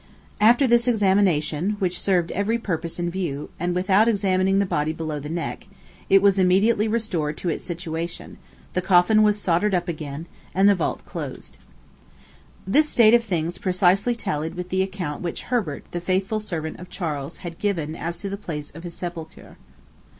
After this examination, which served every purpose in view, and without examining the body below the neck; it was immediately restored to its situation, the coffin was soldered up again, and the vault closed." This state of things precisely tallied with the account which Herbert, the faithful servant of Charles, had given as to the place of his sepulture.